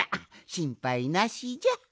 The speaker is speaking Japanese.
しんぱいなしじゃ！